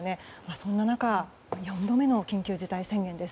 そんな中４度目の緊急事態宣言です。